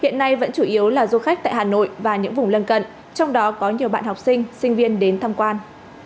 trong khu vùng lần cận trong đó có nhiều bạn học sinh sinh viên đến tham quan